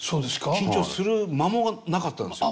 緊張する間もなかったんですよ。